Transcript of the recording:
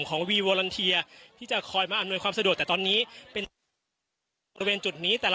ของวีวอลันเทียที่จะคอยมาอำนวยความสะดวกแต่ตอนนี้เป็น